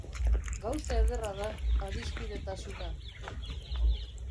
Gauza ederra da adiskidetasuna.